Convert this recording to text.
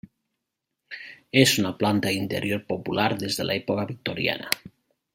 És una planta d'interior popular des de l'època victoriana.